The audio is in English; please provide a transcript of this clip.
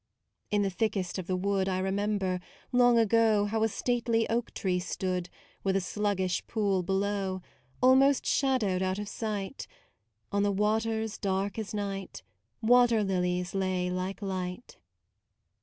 In the thickest of the wood I remember, long ago How a stately oak tree stood With a sluggish pool below, Almost shadowed out of sight. On the waters dark as night, Water lilies lay like light.